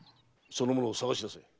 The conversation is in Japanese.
その者を捜し出せ。